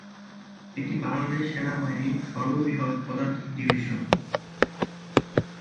এটি বাংলাদেশ সেনাবাহিনীর সর্ববৃহৎ পদাতিক ডিভিশন।